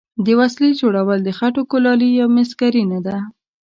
د وسلې جوړول د خټو کولالي یا مسګري نه ده.